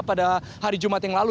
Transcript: pada hari jumat yang lalu